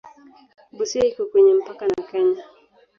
Busia iko kwenye mpaka na Kenya.